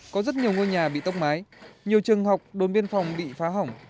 có rất nhiều ngôi nhà bị tốc mái nhiều trường học đồn biên phòng bị phá hỏng